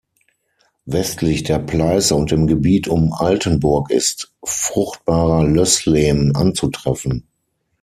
Westlich der Pleiße und im Gebiet um Altenburg ist fruchtbarer Lößlehm anzutreffen.